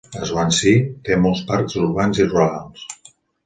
Swansea té molts parcs urbans i rurals.